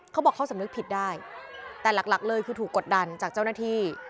เขาบอกเขาสำนึกผิดได้แต่หลักเลยคือถูกกดดันจากเจ้าหน้าที่